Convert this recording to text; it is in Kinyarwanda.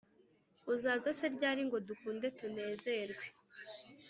Uzaza se ryari ngo dukunde tunezerwe